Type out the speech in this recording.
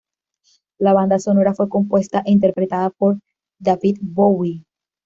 La banda sonora fue compuesta e interpretada por David Bowie.